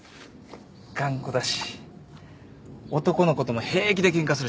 頑固だし男の子とも平気でケンカするし。